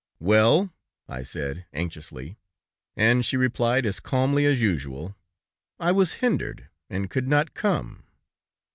'Well!' I said, anxiously, and she replied as calmly as usual: 'I was hindered, and could not come.'